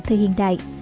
thời hiện đại